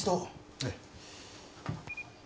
はい。